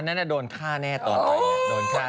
อันนั้นจะโดนฆ่าแน่ต่อไป